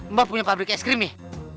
mbak punya pabrik es krim nih